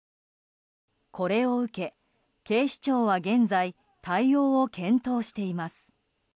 これを受け、警視庁は現在、対応を検討しています。